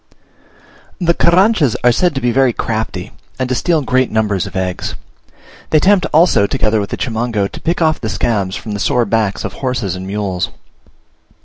The Carranchas are said to be very crafty, and to steal great numbers of eggs. They attempt, also, together with the Chimango, to pick off the scabs from the sore backs of horses and mules.